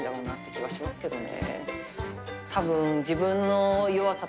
気はしますけどね。